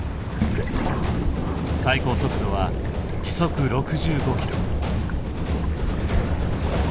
最高速度は時速６５ｋｍ。